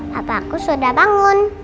papaku sudah bangun